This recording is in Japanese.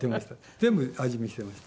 全部味見していました。